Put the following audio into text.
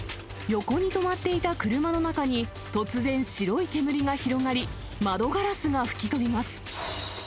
横に止まっていた車の中に、突然、白い煙が広がり、窓ガラスが吹き飛びます。